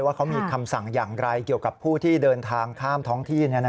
ว่าเขามีคำสั่งอย่างไรเกี่ยวกับผู้ที่เดินทางข้ามท้องที่